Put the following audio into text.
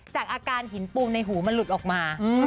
จากอาการหินปูงในหูมันหลุดออกมา